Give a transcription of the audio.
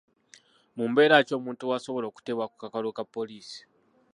Mu mbeera ki omuntu w'asobola okuteebwa ku kakalu ka poliisi?